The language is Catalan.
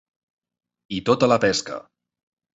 I tota la pesca.